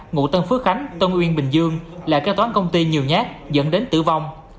ngụ tân phước khánh tân nguyên bình dương là các toán công ty nhiều nhát dẫn đến tử vong